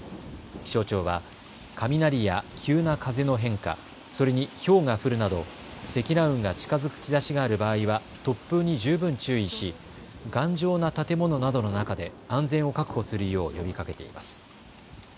気象庁は雷や急な風の変化、それにひょうが降るなど積乱雲が近づく兆しがある場合は突風に十分注意し頑丈な建物などの中で安全を確保するよう呼びかけています。